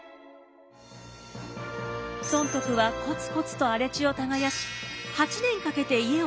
尊徳はコツコツと荒れ地を耕し８年かけて家を再興。